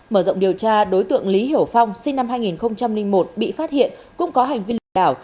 mở rộng điều tra đối tượng lý hiểu phong sinh năm hai nghìn một bị phát hiện cũng có hành vi lừa đảo